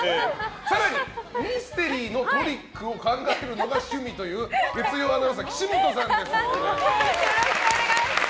更にミステリーのトリックを考えるのが趣味という月曜日アナウンサーの岸本さんです。